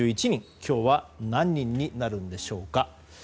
今日は何人になるのでしょうか。